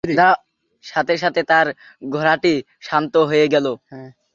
সাথে সাথে তার ঘোড়াটি শান্ত হয়ে গেল।